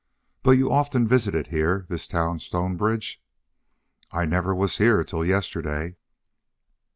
"But you often visited here this town Stonebridge?" "I never was here till yesterday."